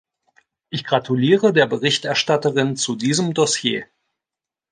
Ich gratuliere der Berichterstatterin zu diesem Dossier.